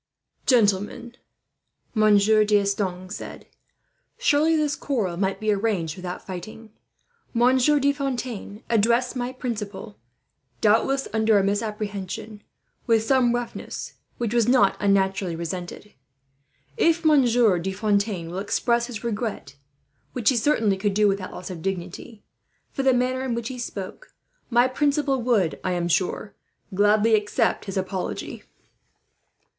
"Gentlemen," Monsieur D'Estanges said, "surely this quarrel might be arranged without fighting. Monsieur de Fontaine addressed my principal, doubtless under a misapprehension, with some roughness, which was not unnaturally resented. If Monsieur de Fontaine will express his regret, which he certainly could do without loss of dignity, for the manner in which he spoke; my principal would, I am sure, gladly accept his apology."